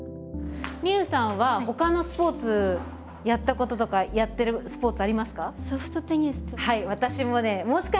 みうさんはほかのスポーツやったこととかやってるスポーツありますか？